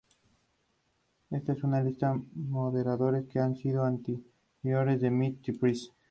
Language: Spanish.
Durante la guerra franco-prusiana Adolphe Braun fotografió la destrucción, especialmente de puentes.